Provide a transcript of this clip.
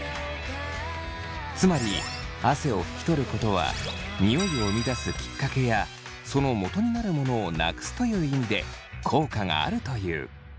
つまり汗を拭き取ることはニオイを生み出すきっかけやそのもとになるものをなくすという意味で効果があるという。